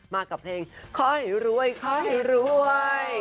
มากับเพลงขอให้รวยขอให้รวย